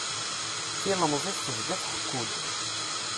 Tilemẓit tebda tḥekku-d.